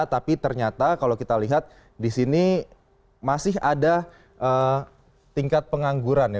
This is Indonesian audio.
tapi ternyata kalau kita lihat di sini masih ada tingkat pengangguran ya